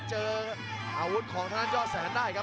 เจออาวุธของท่านท่านเยาะแสนได้ครับ